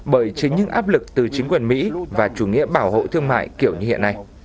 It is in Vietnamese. bởi chính những áp lực từ chính quyền mỹ và chủ nghĩa bảo hộ thương mại kiểu như hiện nay